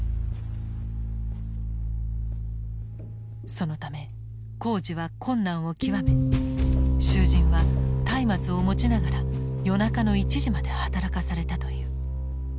そのため工事は困難を極め囚人はたいまつを持ちながら夜中の１時まで働かされたという。